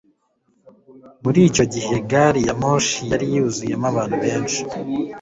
Muri icyo gihe gari ya moshi yari yuzuyemo abantu benshi